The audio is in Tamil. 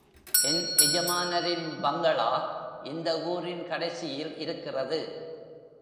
என் எஜமானரின் பங்களா இந்த ஊரின் கடைசியில் இருக்கிறது.